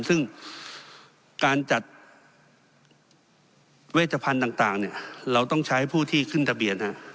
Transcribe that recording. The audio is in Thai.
ซึ่งการจัดเวชพันธุ์ต่างเราต้องใช้ผู้ที่ขึ้นทะเบียน